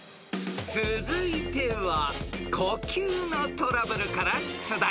［続いては呼吸のトラブルから出題］